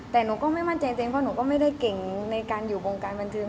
แต่หนูก็ไม่มั่นใจตัวเองเพราะหนูก็ไม่ได้เก่งในการอยู่วงการบันเทิง